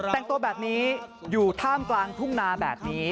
แต่งตัวแบบนี้อยู่ท่ามกลางทุ่งนาแบบนี้